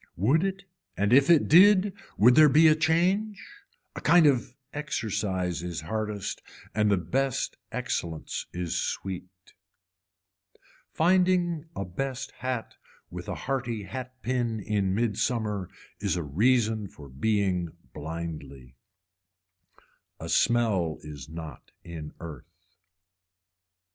Would it and if it did would there be a change. A kind of exercise is hardest and the best excellence is sweet. Finding a best hat with a hearty hat pin in midsummer is a reason for being blindly. A smell is not in earth.